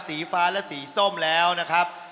สีฟ้าและสีส้มแล้วนะครับ